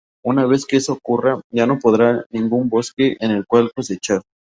Una vez que eso ocurra, ya no habrá ningún bosque en el cual cosechar.